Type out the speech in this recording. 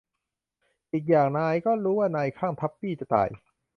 อีกอย่าง นายก็รู้ว่านายคลั่งทัปปี้จะตาย